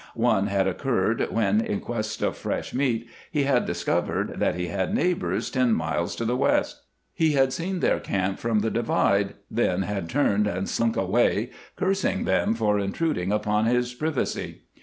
One had occurred when, in quest of fresh meat, he had discovered that he had neighbors ten miles to the west. He had seen their camp from the divide, then had turned and slunk away, cursing them for intruding upon his privacy.